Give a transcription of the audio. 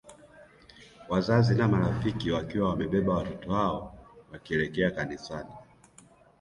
Wazazi na marafiki wakiwa wamewabeba watoto wao wakielekea Kanisani